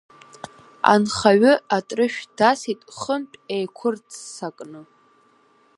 Анхаҩы атыршә дасит хынтә еиқәырццакны.